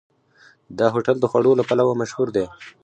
دا هوټل د خوړو له پلوه مشهور دی.